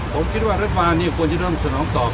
ผมคิดว่ารัฐบาลนี้ควรจะเริ่มสนองตอบ